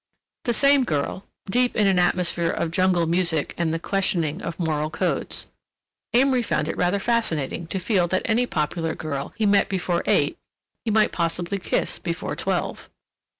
The same girl... deep in an atmosphere of jungle music and the questioning of moral codes. Amory found it rather fascinating to feel that any popular girl he met before eight he might quite possibly kiss before twelve.